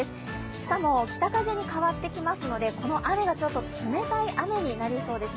しかも北風に変わってきますのでこの雨がちょっと冷たい雨になりそうなんです。